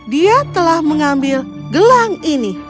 dia telah mengambil gelang ini